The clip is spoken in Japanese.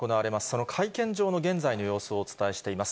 その会見場の現在の様子をお伝えしています。